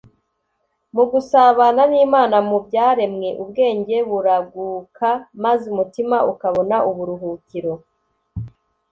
Mu gusabana n'Imana mu byaremwe, ubwenge buraguka maze umutima ukabona uburuhukiro.